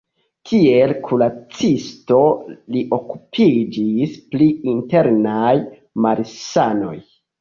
Kiel kuracisto li okupiĝis pri internaj malsanoj.